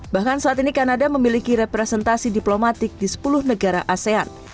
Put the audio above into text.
bahkan saat ini kanada memiliki representasi diplomatik di sepuluh negara asean